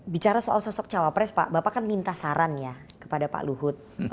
bicara soal sosok cawapres pak bapak kan minta saran ya kepada pak luhut